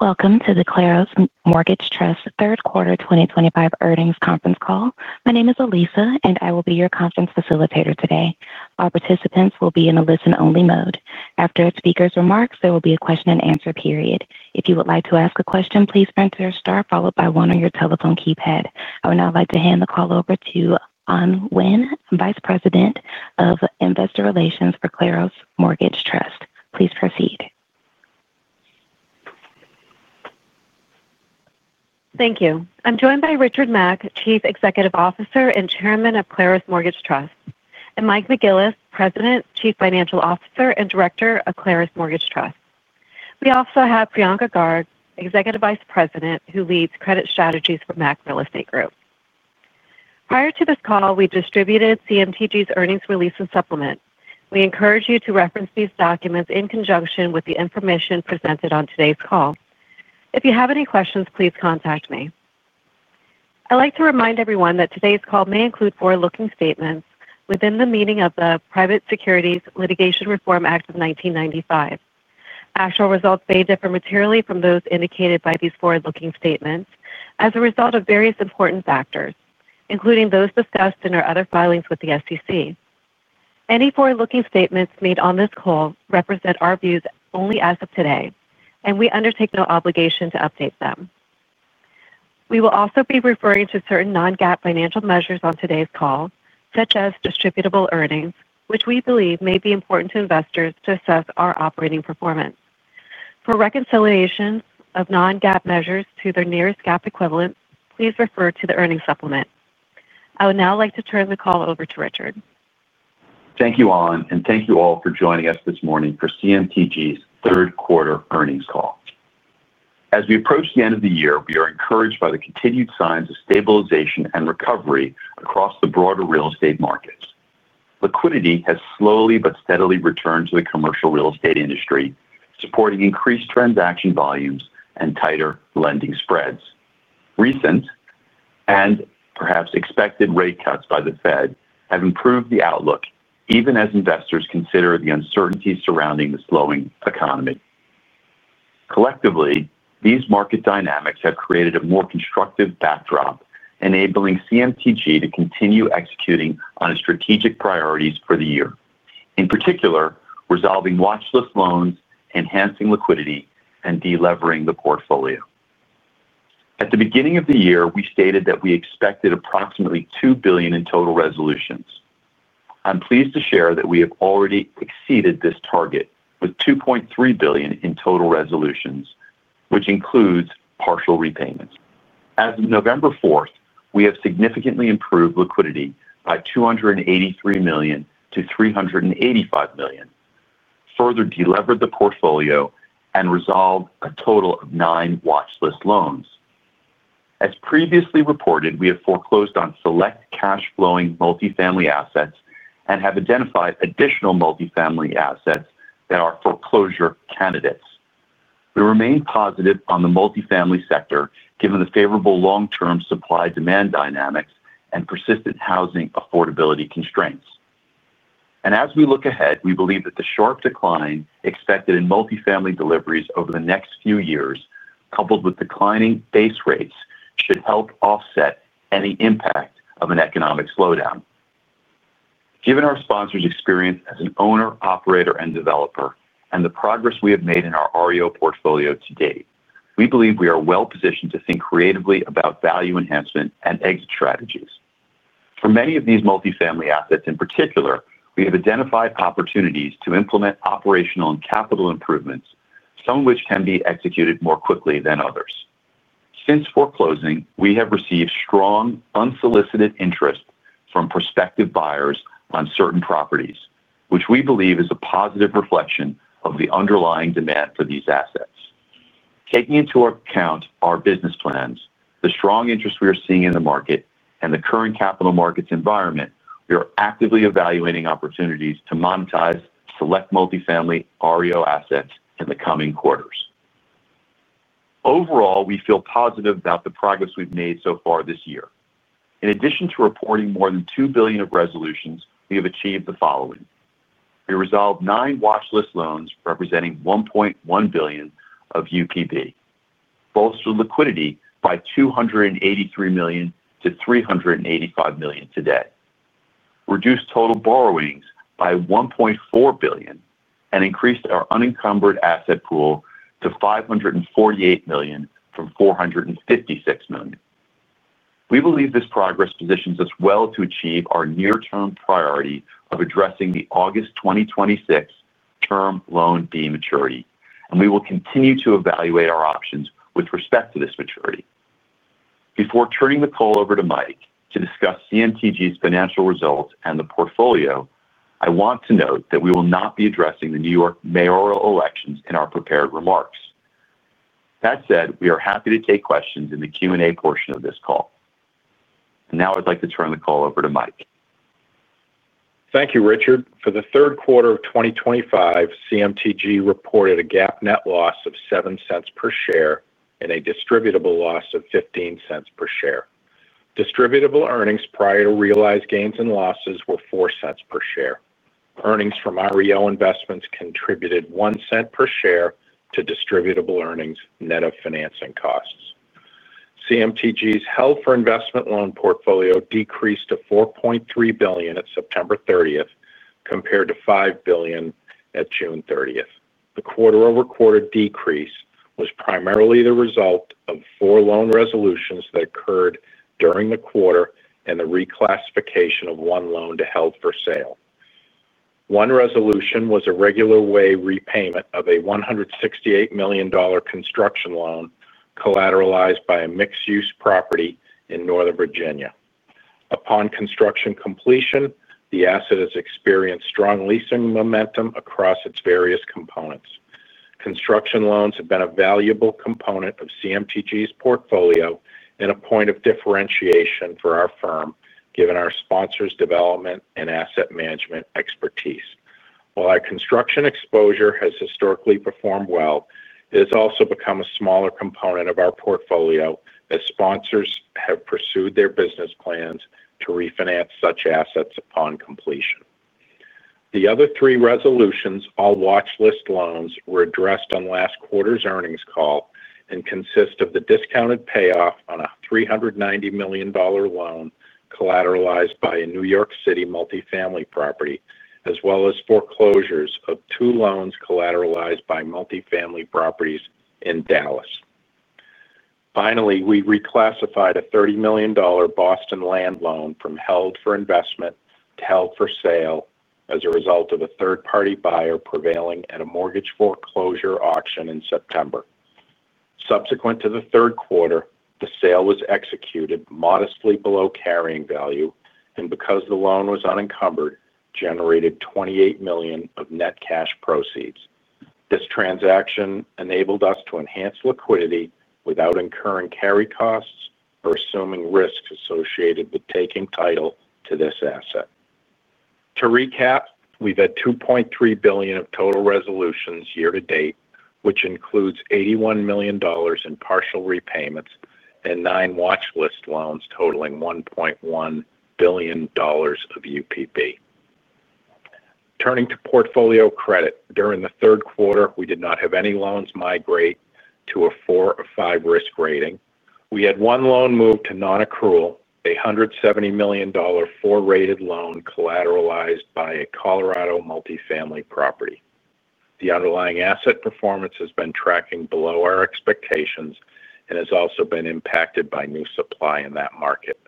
Welcome to the Claros Mortgage Trust third quarter 2025 earnings conference call. My name is Alisa, and I will be your conference facilitator today. Our participants will be in a listen-only mode. After a speaker's remarks, there will be a question-and-answer period. If you would like to ask a question, please press the star followed by one on your telephone keypad. I would now like to hand the call over to Anh Huynh, Vice President of Investor Relations for Claros Mortgage Trust. Please proceed. Thank you. I'm joined by Richard Mack, Chief Executive Officer and Chairman of Claros Mortgage Trust, and Mike McGillis, President, Chief Financial Officer, and Director of Claros Mortgage Trust. We also have Priyanka Garg, Executive Vice President, who leads credit strategies for Mack Real Estate Group. Prior to this call, we distributed CMTG's earnings release and supplement. We encourage you to reference these documents in conjunction with the information presented on today's call. If you have any questions, please contact me. I'd like to remind everyone that today's call may include forward-looking statements within the meaning of the Private Securities Litigation Reform Act of 1995. Actual results may differ materially from those indicated by these forward-looking statements as a result of various important factors, including those discussed in our other filings with the SEC. Any forward-looking statements made on this call represent our views only as of today, and we undertake no obligation to update them. We will also be referring to certain non-GAAP financial measures on today's call, such as distributable earnings, which we believe may be important to investors to assess our operating performance. For reconciliation of non-GAAP measures to their nearest GAAP equivalent, please refer to the earnings supplement. I would now like to turn the call over to Richard. Thank you, Anh, and thank you all for joining us this morning for CMTG's third quarter earnings call. As we approach the end of the year, we are encouraged by the continued signs of stabilization and recovery across the broader real estate markets. Liquidity has slowly but steadily returned to the commercial real estate industry, supporting increased transaction volumes and tighter lending spreads. Recent, and perhaps expected, rate cuts by the Fed have improved the outlook, even as investors consider the uncertainty surrounding the slowing economy. Collectively, these market dynamics have created a more constructive backdrop, enabling CMTG to continue executing on its strategic priorities for the year, in particular resolving watchlist loans, enhancing liquidity, and deleveraging the portfolio. At the beginning of the year, we stated that we expected approximately $2 billion in total resolutions. I'm pleased to share that we have already exceeded this target with $2.3 billion in total resolutions, which includes partial repayments. As of November 4, we have significantly improved liquidity by $283 million to $385 million, further delevered the portfolio, and resolved a total of nine watchlist loans. As previously reported, we have foreclosed on select cash-flowing multifamily assets and have identified additional multifamily assets that are foreclosure candidates. We remain positive on the multifamily sector given the favorable long-term supply-demand dynamics and persistent housing affordability constraints. As we look ahead, we believe that the sharp decline expected in multifamily deliveries over the next few years, coupled with declining base rates, should help offset any impact of an economic slowdown. Given our sponsors' experience as an owner, operator, and developer, and the progress we have made in our REO portfolio to date, we believe we are well-positioned to think creatively about value enhancement and exit strategies. For many of these multifamily assets in particular, we have identified opportunities to implement operational and capital improvements, some of which can be executed more quickly than others. Since foreclosing, we have received strong, unsolicited interest from prospective buyers on certain properties, which we believe is a positive reflection of the underlying demand for these assets. Taking into account our business plans, the strong interest we are seeing in the market, and the current capital markets environment, we are actively evaluating opportunities to monetize select multifamily REO assets in the coming quarters. Overall, we feel positive about the progress we've made so far this year. In addition to reporting more than $2 billion of resolutions, we have achieved the following. We resolved nine watchlist loans representing $1.1 billion of UPB, bolstered liquidity by $283 million to $385 million today, reduced total borrowings by $1.4 billion, and increased our unencumbered asset pool to $548 million from $456 million. We believe this progress positions us well to achieve our near-term priority of addressing the August 2026 term loan B maturity, and we will continue to evaluate our options with respect to this maturity. Before turning the call over to Mike to discuss CMTG's financial results and the portfolio, I want to note that we will not be addressing the New York mayoral elections in our prepared remarks. That said, we are happy to take questions in the Q&A portion of this call. Now I'd like to turn the call over to Mike. Thank you, Richard. For the third quarter of 2025, CMTG reported a GAAP net loss of $0.07 per share and a distributable loss of $0.15 per share. Distributable earnings prior to realized gains and losses were $0.04 per share. Earnings from REO investments contributed $0.01 per share to distributable earnings net of financing costs. CMTG's held-for-investment loan portfolio decreased to $4.3 billion at September 30 compared to $5 billion at June 30. The quarter-over-quarter decrease was primarily the result of four loan resolutions that occurred during the quarter and the reclassification of one loan to held for sale. One resolution was a regular-way repayment of a $168 million construction loan collateralized by a mixed-use property in Northern Virginia. Upon construction completion, the asset has experienced strong leasing momentum across its various components. Construction loans have been a valuable component of CMTG's portfolio and a point of differentiation for our firm, given our sponsors' development and asset management expertise. While our construction exposure has historically performed well, it has also become a smaller component of our portfolio as sponsors have pursued their business plans to refinance such assets upon completion. The other three resolutions, all watchlist loans, were addressed on last quarter's earnings call and consist of the discounted payoff on a $390 million loan collateralized by a New York City multifamily property, as well as foreclosures of two loans collateralized by multifamily properties in Dallas. Finally, we reclassified a $30 million Boston land loan from held-for-investment to held-for-sale as a result of a third-party buyer prevailing at a mortgage foreclosure auction in September. Subsequent to the third quarter, the sale was executed modestly below carrying value and, because the loan was unencumbered, generated $28 million of net cash proceeds. This transaction enabled us to enhance liquidity without incurring carry costs or assuming risks associated with taking title to this asset. To recap, we've had $2.3 billion of total resolutions year to date, which includes $81 million in partial repayments and nine watchlist loans totaling $1.1 billion of UPB. Turning to portfolio credit, during the third quarter, we did not have any loans migrate to a 4 or 5 risk rating. We had one loan move to non-accrual, a $170 million for-rated loan collateralized by a Colorado multifamily property. The underlying asset performance has been tracking below our expectations and has also been impacted by new supply in that market.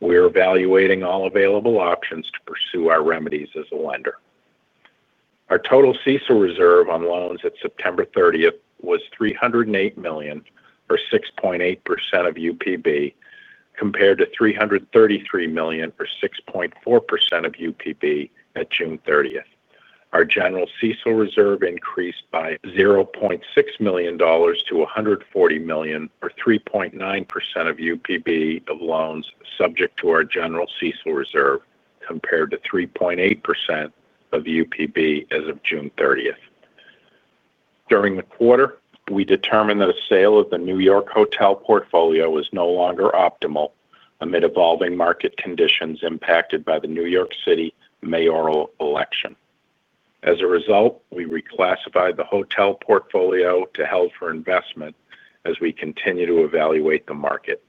We are evaluating all available options to pursue our remedies as a lender. Our total CECL reserve on loans at September 30th was $308 million, or 6.8% of UPB, compared to $333 million, or 6.4% of UPB, at June 30th. Our general CECL reserve increased by $0.6 million to $140 million, or 3.9% of UPB of loans subject to our general CECL reserve, compared to 3.8% of UPB as of June 30th. During the quarter, we determined that a sale of the New York hotel portfolio was no longer optimal amid evolving market conditions impacted by the New York City mayoral election. As a result, we reclassified the hotel portfolio to held-for-investment as we continue to evaluate the market.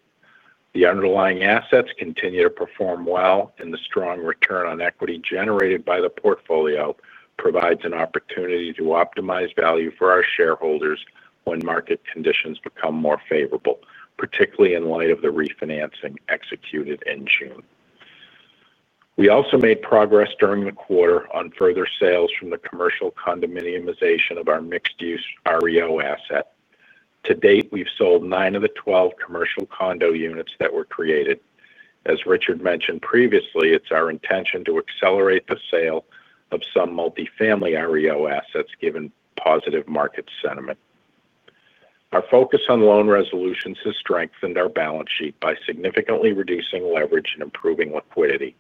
The underlying assets continue to perform well, and the strong return on equity generated by the portfolio provides an opportunity to optimize value for our shareholders when market conditions become more favorable, particularly in light of the refinancing executed in June. We also made progress during the quarter on further sales from the commercial condominiumization of our mixed-use REO asset. To date, we've sold nine of the 12 commercial condo units that were created. As Richard mentioned previously, it's our intention to accelerate the sale of some multifamily REO assets, given positive market sentiment. Our focus on loan resolutions has strengthened our balance sheet by significantly reducing leverage and improving liquidity.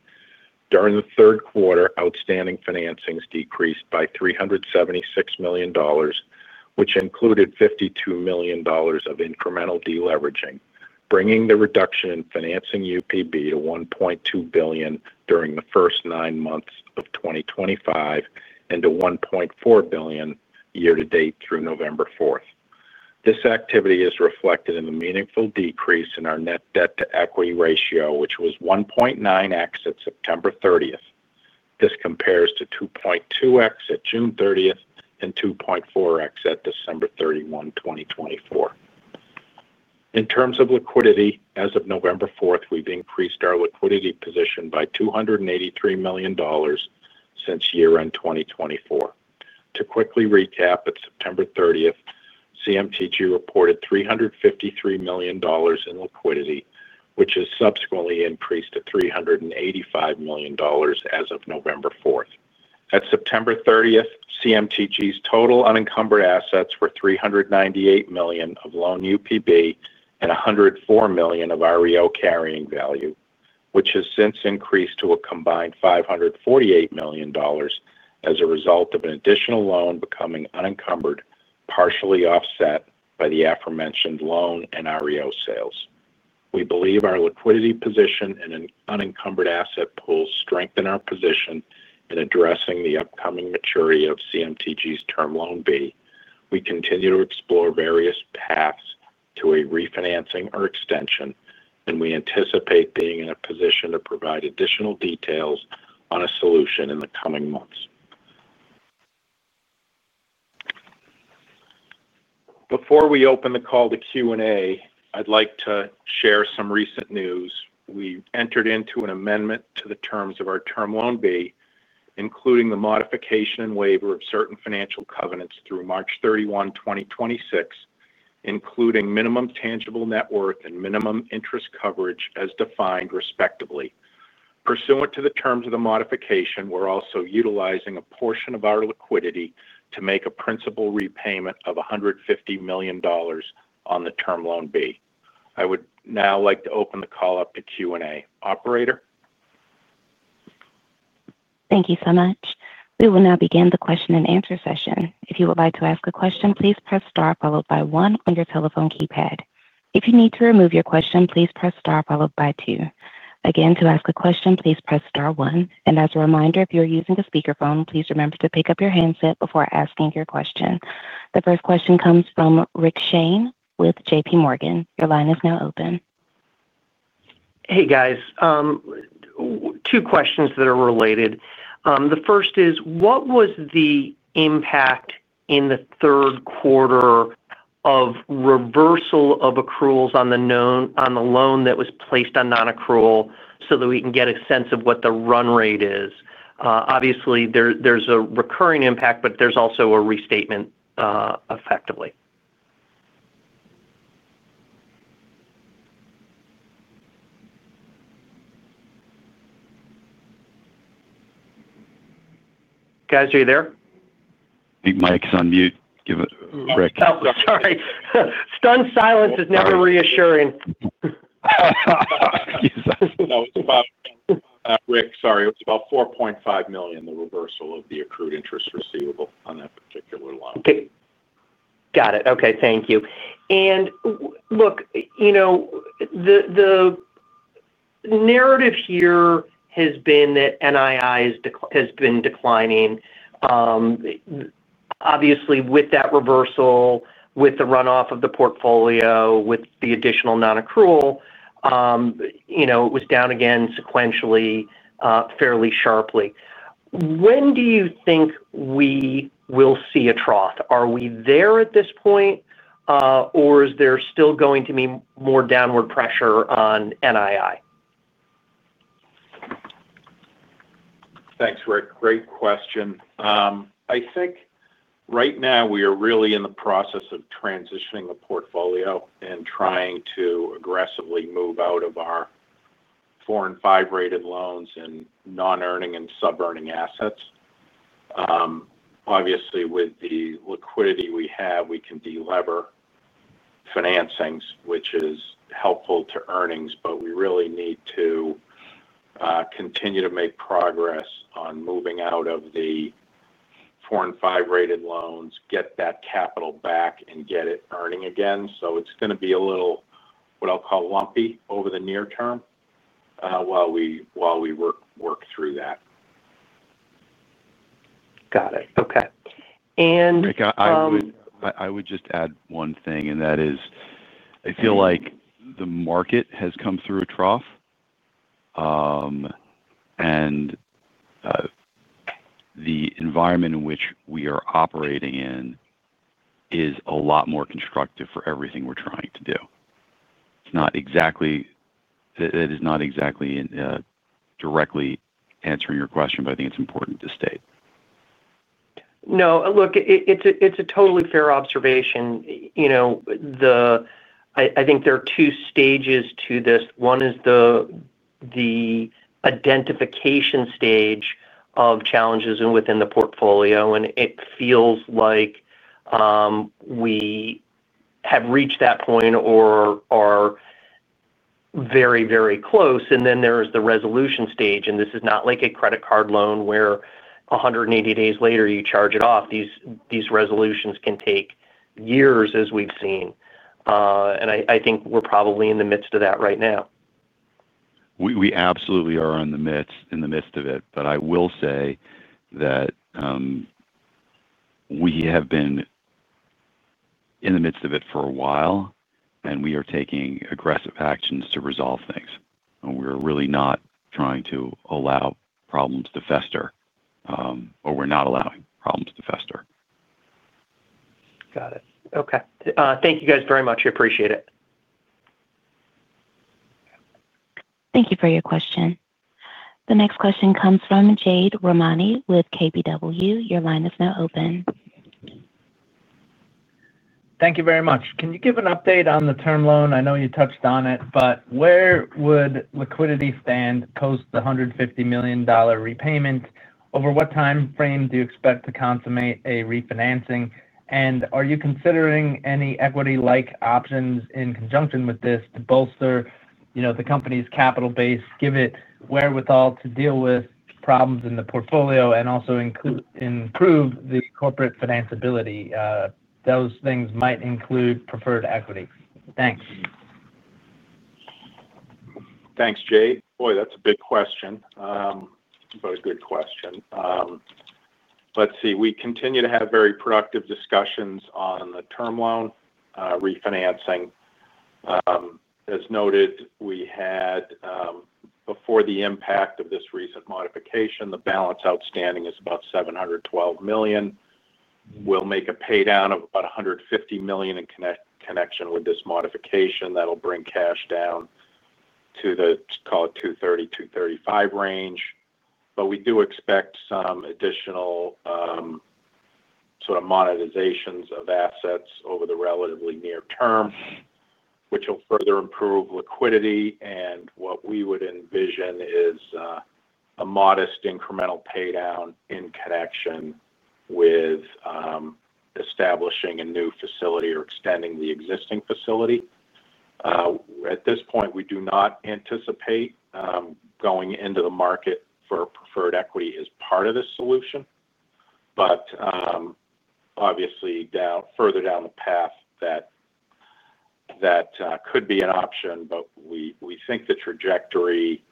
During the third quarter, outstanding financings decreased by $376 million, which included $52 million of incremental deleveraging, bringing the reduction in financing UPB to $1.2 billion during the first nine months of 2025 and to $1.4 billion year to date through November 4th. This activity is reflected in the meaningful decrease in our net debt-to-equity ratio, which was 1.9x at September 30th. This compares to 2.2x at June 30th and 2.4x at December 31, 2024. In terms of liquidity, as of November 4, we've increased our liquidity position by $283 million since year-end 2024. To quickly recap, at September 30, CMTG reported $353 million in liquidity, which has subsequently increased to $385 million as of November 4. At September 30, CMTG's total unencumbered assets were $398 million of loan UPB and $104 million of REO carrying value, which has since increased to a combined $548 million as a result of an additional loan becoming unencumbered, partially offset by the aforementioned loan and REO sales. We believe our liquidity position and unencumbered asset pool strengthen our position in addressing the upcoming maturity of CMTG's term loan B. We continue to explore various paths to a refinancing or extension, and we anticipate being in a position to provide additional details on a solution in the coming months. Before we open the call to Q&A, I'd like to share some recent news. We entered into an amendment to the terms of our term loan B, including the modification and waiver of certain financial covenants through March 31, 2026, including minimum tangible net worth and minimum interest coverage as defined, respectively. Pursuant to the terms of the modification, we're also utilizing a portion of our liquidity to make a principal repayment of $150 million on the term loan B. I would now like to open the call up to Q&A. Operator? Thank you so much. We will now begin the question-and-answer session. If you would like to ask a question, please press star followed by one on your telephone keypad. If you need to remove your question, please press star followed by two. Again, to ask a question, please press star one. As a reminder, if you're using a speakerphone, please remember to pick up your handset before asking your question. The first question comes from Rick Shane with J.P. Morgan. Your line is now open. Hey, guys. Two questions that are related. The first is, what was the impact in the third quarter of reversal of accruals on the loan that was placed on non-accrual so that we can get a sense of what the run rate is? Obviously, there's a recurring impact, but there's also a restatement. Effectively. Guys, are you there? I think Mike's on mute. Rick. Oh, sorry. Stunned silence is never reassuring. Rick, sorry. It was about $4.5 million, the reversal of the accrued interest receivable on that particular loan. Okay. Got it. Okay. Thank you. The narrative here has been that NII has been declining. Obviously, with that reversal, with the runoff of the portfolio, with the additional non-accrual, it was down again sequentially, fairly sharply. When do you think we will see a trough? Are we there at this point, or is there still going to be more downward pressure on NII? Thanks, Rick. Great question. I think right now we are really in the process of transitioning the portfolio and trying to aggressively move out of our 4 and 5 rated loans and non-earning and sub-earning assets. Obviously, with the liquidity we have, we can delever financings, which is helpful to earnings, but we really need to continue to make progress on moving out of the 4 and 5 rated loans, get that capital back, and get it earning again. It is going to be a little, what I'll call, lumpy over the near term while we work through that. Got it. Okay. Rick, I would just add one thing, and that is I feel like the market has come through a trough. The environment in which we are operating in is a lot more constructive for everything we're trying to do. It's not exactly. It is not exactly directly answering your question, but I think it's important to state. No, look, it's a totally fair observation. I think there are two stages to this. One is the identification stage of challenges within the portfolio, and it feels like we have reached that point or are very, very close. Then there is the resolution stage, and this is not like a credit card loan where 180 days later you charge it off. These resolutions can take years, as we've seen. I think we're probably in the midst of that right now. We absolutely are in the midst of it, but I will say that we have been in the midst of it for a while, and we are taking aggressive actions to resolve things. We're really not trying to allow problems to fester. We're not allowing problems to fester. Got it. Okay. Thank you guys very much. I appreciate it. Thank you for your question. The next question comes from Jade Rahmani with KBW. Your line is now open. Thank you very much. Can you give an update on the term loan? I know you touched on it, but where would liquidity stand post the $150 million repayment? Over what timeframe do you expect to consummate a refinancing? Are you considering any equity-like options in conjunction with this to bolster the company's capital base, give it wherewithal to deal with problems in the portfolio, and also improve the corporate financeability? Those things might include preferred equity. Thanks. Thanks, Jade. Boy, that's a big question. But a good question. Let's see. We continue to have very productive discussions on the term loan refinancing. As noted, we had, before the impact of this recent modification, the balance outstanding is about $712 million. We'll make a paydown of about $150 million in connection with this modification. That'll bring cash down to the, call it, $230 million-$235 million range. But we do expect some additional sort of monetizations of assets over the relatively near term, which will further improve liquidity. And what we would envision is a modest incremental paydown in connection with establishing a new facility or extending the existing facility. At this point, we do not anticipate going into the market for preferred equity as part of the solution. But obviously, further down the path, that. Could be an option, but we think the trajectory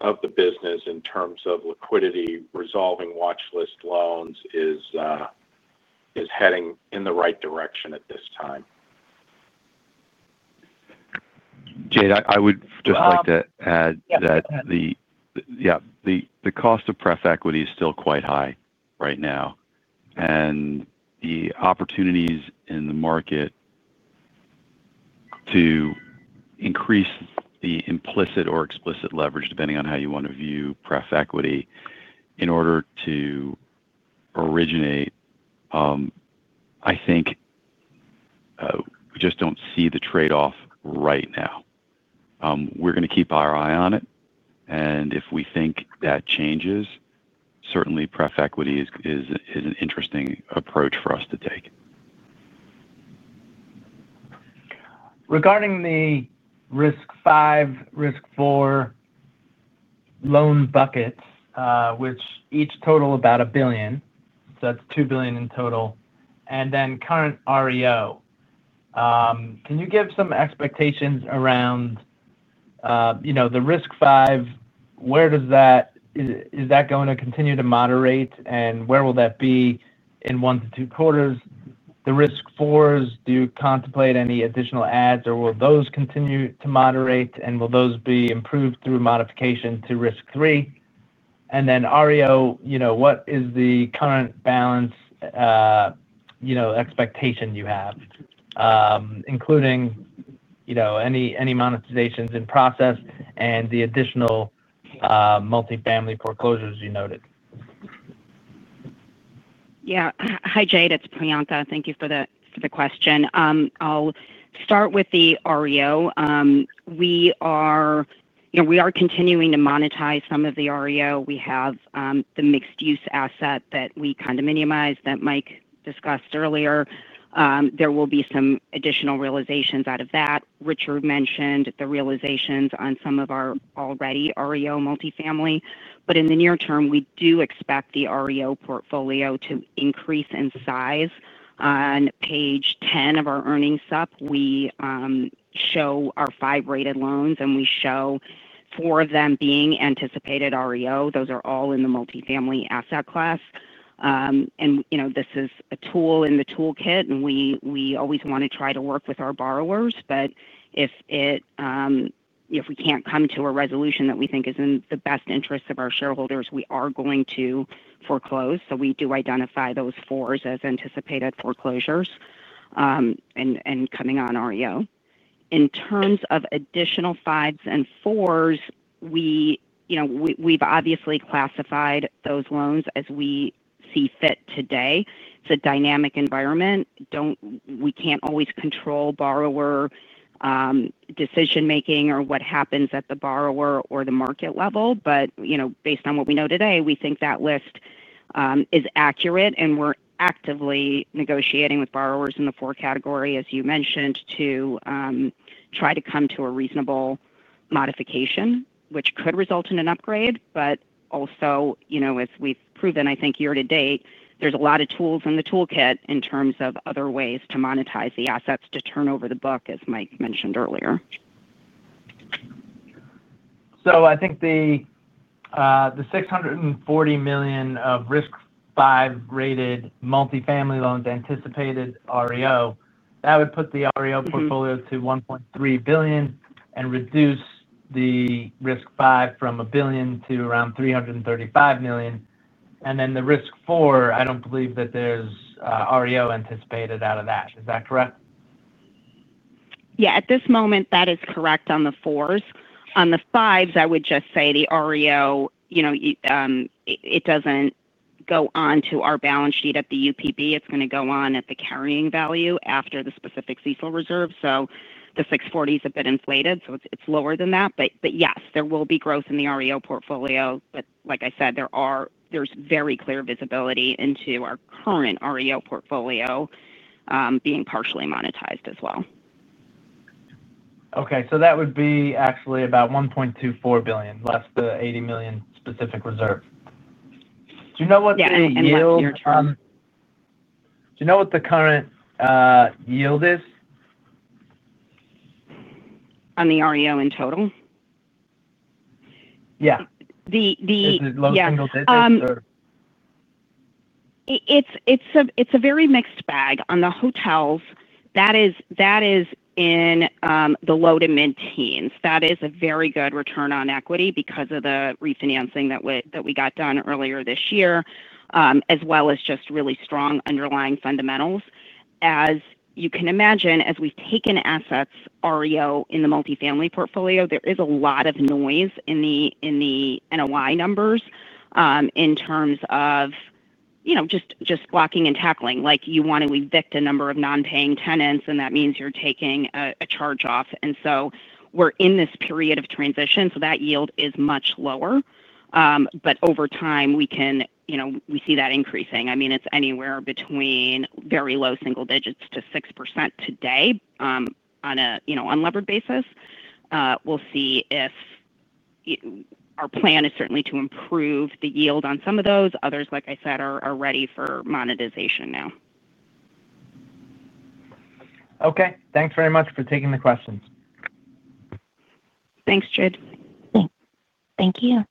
of the business in terms of liquidity, resolving watchlist loans, is heading in the right direction at this time. Jade, I would just like to add that the cost of prep equity is still quite high right now. The opportunities in the market to increase the implicit or explicit leverage, depending on how you want to view prep equity, in order to originate, I think we just do not see the trade-off right now. We are going to keep our eye on it. If we think that changes, certainly prep equity is an interesting approach for us to take. Regarding the risk 5, risk 4 loan buckets, which each total about $1 billion. So that's $2 billion in total. And then current REO. Can you give some expectations around the risk 5? Is that going to continue to moderate, and where will that be in one to two quarters? The risk 4s, do you contemplate any additional adds, or will those continue to moderate, and will those be improved through modification to risk 3? And then REO, what is the current balance expectation you have, including any monetizations in process and the additional multifamily foreclosures you noted? Yeah. Hi, Jade. It's Priyanka, thank you for the question. I'll start with the REO. We are continuing to monetize some of the REO. We have the mixed-use asset that we condominiumized that Mike discussed earlier. There will be some additional realizations out of that. Richard mentioned the realizations on some of our already REO multifamily. In the near term, we do expect the REO portfolio to increase in size. On page 10 of our earnings up, we show our 5-rated loans, and we show four of them being anticipated REO. Those are all in the multifamily asset class. This is a tool in the toolkit, and we always want to try to work with our borrowers. If we can't come to a resolution that we think is in the best interest of our shareholders, we are going to foreclose. We do identify those fours as anticipated foreclosures and coming on REO. In terms of additional 5s and 4s, we have obviously classified those loans as we see fit today. It is a dynamic environment. We cannot always control borrower decision-making or what happens at the borrower or the market level. Based on what we know today, we think that list is accurate, and we are actively negotiating with borrowers in the four categories, as you mentioned, to try to come to a reasonable modification, which could result in an upgrade. Also, as we have proven, I think, year to date, there is a lot of tools in the toolkit in terms of other ways to monetize the assets to turn over the book, as Mike mentioned earlier. I think the $640 million of risk 5 rated multifamily loans anticipated REO, that would put the REO portfolio to $1.3 billion and reduce the risk 5 from $1 billion to around $335 million. And then the risk 4, I do not believe that there is REO anticipated out of that. Is that correct? Yeah. At this moment, that is correct on the 4s. On the 5s, I would just say the REO. It does not go on to our balance sheet at the UPB. It is going to go on at the carrying value after the specific CECL reserve. So the 640s have been inflated, so it is lower than that. Yes, there will be growth in the REO portfolio. Like I said, there is very clear visibility into our current REO portfolio being partially monetized as well. Okay. So that would be actually about $1.24 billion less the $80 million specific reserve. Do you know what the yield? Do you know what the current yield is? On the REO in total? Yeah. The low single digits. It's a very mixed bag. On the hotels, that is. In the low to mid-teens. That is a very good return on equity because of the refinancing that we got done earlier this year, as well as just really strong underlying fundamentals. As you can imagine, as we've taken assets REO in the multifamily portfolio, there is a lot of noise in the NOI numbers. In terms of just blocking and tackling. You want to evict a number of non-paying tenants, and that means you're taking a charge-off. We're in this period of transition, so that yield is much lower. Over time, we see that increasing. I mean, it's anywhere between very low single digits to 6% today. On a levered basis. We'll see if our plan is certainly to improve the yield on some of those. Others, like I said, are ready for monetization now. Okay. Thanks very much for taking the questions. Thanks, Jade. Thank you.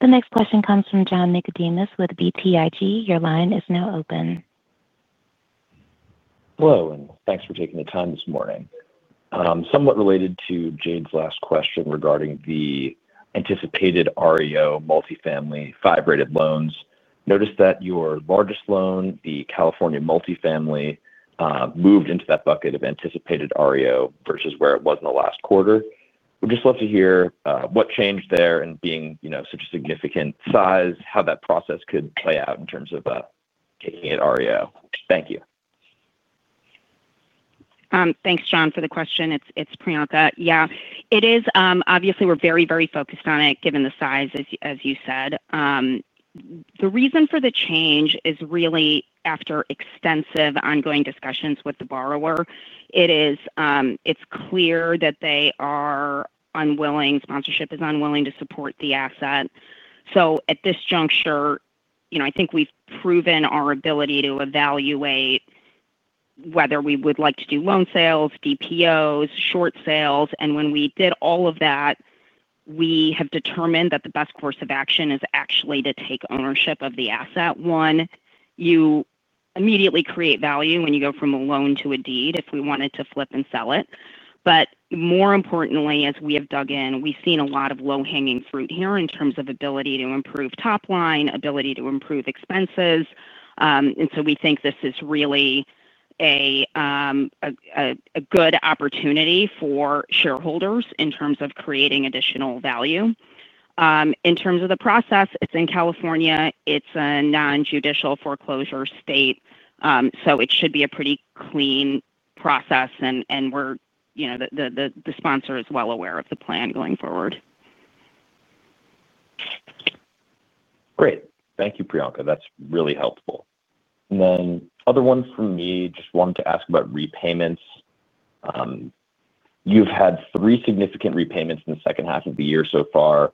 The next question comes from John Nickodemus with BTIG. Your line is now open. Hello, and thanks for taking the time this morning. Somewhat related to Jade's last question regarding the anticipated REO multifamily 5-rated loans, notice that your largest loan, the California multifamily, moved into that bucket of anticipated REO versus where it was in the last quarter. We'd just love to hear what changed there in being such a significant size, how that process could play out in terms of taking it REO. Thank you. Thanks, John, for the question. It's Priyanka. Yeah. Obviously, we're very, very focused on it, given the size, as you said. The reason for the change is really after extensive ongoing discussions with the borrower. It's clear that they are unwilling; sponsorship is unwilling to support the asset. At this juncture, I think we've proven our ability to evaluate. Whether we would like to do loan sales, DPOs, short sales. When we did all of that, we have determined that the best course of action is actually to take ownership of the asset. One, you immediately create value when you go from a loan to a deed if we wanted to flip and sell it. More importantly, as we have dug in, we've seen a lot of low-hanging fruit here in terms of ability to improve top line, ability to improve expenses. We think this is really a good opportunity for shareholders in terms of creating additional value. In terms of the process, it's in California. It's a non-judicial foreclosure state, so it should be a pretty clean process. The sponsor is well aware of the plan going forward. Great. Thank you, Priyanka. That's really helpful. The other one for me, just wanted to ask about repayments. You've had three significant repayments in the second half of the year so far.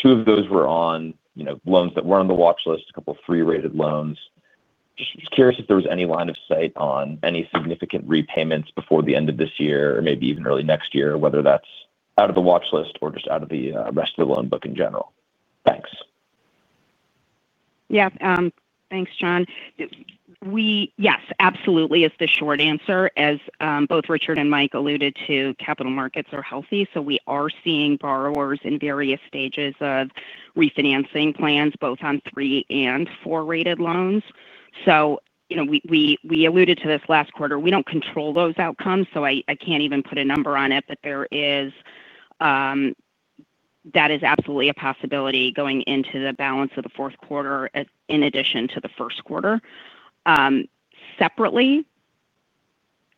Two of those were on loans that weren't on the watchlist, a couple of 3-rated loans. Just curious if there was any line of sight on any significant repayments before the end of this year or maybe even early next year, whether that's out of the watchlist or just out of the rest of the loan book in general. Thanks. Yeah. Thanks, John. Yes, absolutely is the short answer. As both Richard and Mike alluded to, capital markets are healthy. We are seeing borrowers in various stages of refinancing plans, both on 3 and 4-rated loans. We alluded to this last quarter. We do not control those outcomes, so I cannot even put a number on it, but that is absolutely a possibility going into the balance of the fourth quarter in addition to the first quarter. Separately,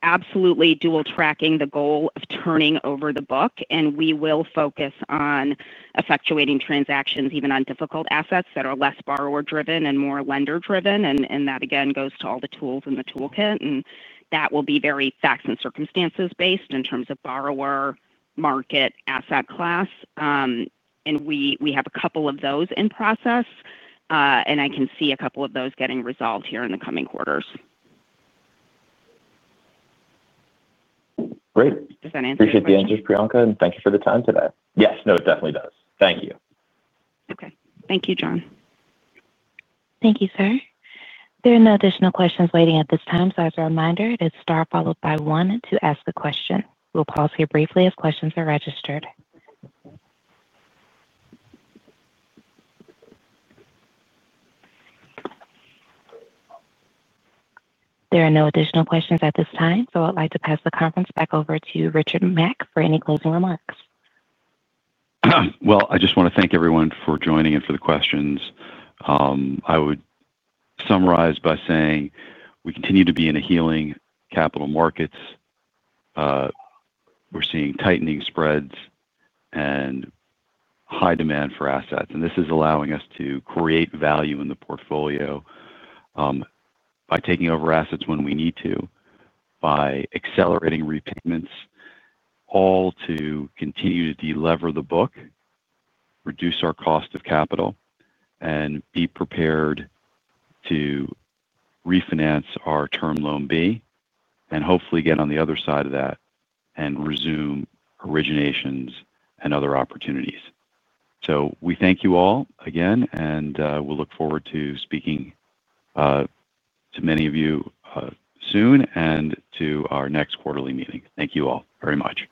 absolutely dual-tracking the goal of turning over the book, and we will focus on effectuating transactions, even on difficult assets that are less borrower-driven and more lender-driven. That, again, goes to all the tools in the toolkit. That will be very facts and circumstances-based in terms of borrower, market, asset class. We have a couple of those in process. I can see a couple of those getting resolved here in the coming quarters. Great. Does that answer your question? Appreciate the answers, Priyanka, and thank you for the time today. Yes. No, it definitely does. Thank you. Okay. Thank you, John. Thank you, sir. There are no additional questions waiting at this time. As a reminder, it is star followed by one to ask the question. We'll pause here briefly as questions are registered. There are no additional questions at this time. I would like to pass the conference back over to Richard Mack for any closing remarks. I just want to thank everyone for joining and for the questions. I would summarize by saying we continue to be in a healing capital markets. We're seeing tightening spreads. High demand for assets. This is allowing us to create value in the portfolio by taking over assets when we need to, by accelerating repayments, all to continue to delever the book, reduce our cost of capital, and be prepared to refinance our term loan B, and hopefully get on the other side of that and resume originations and other opportunities. We thank you all again, and we'll look forward to speaking to many of you soon and to our next quarterly meeting. Thank you all very much.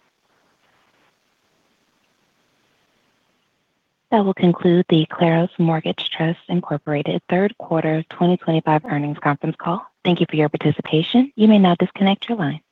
That will conclude the Claros Mortgage Trust third quarter 2025 earnings conference call. Thank you for your participation. You may now disconnect your line.